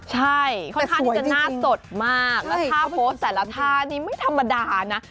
ใช่ค่อนข้างที่จะน่าสดมากแล้วท่าโพสต์แต่ละท่านี้ไม่ธรรมดานะ